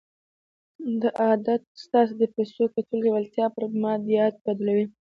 دا عادت ستاسې د پيسو ګټلو لېوالتیا پر ماديياتو بدلوي.